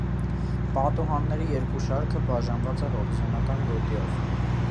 Պատուհանների երկու շարքը բաժանված է հորիզոնական գոտիով։